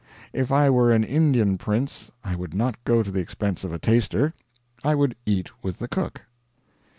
If I were an Indian prince I would not go to the expense of a taster, I would eat with the cook.